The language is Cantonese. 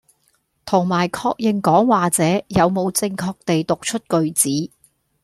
同埋確認講話者有冇正確地讀出句子